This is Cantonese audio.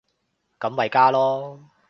咁咪加囉